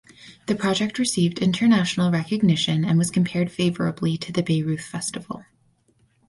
The project received international recognition and was compared favourably to the Bayreuth Festival.